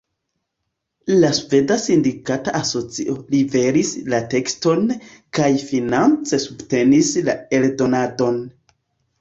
La Sveda Sindikata Asocio liveris la tekston kaj finance subtenis la eldonadon.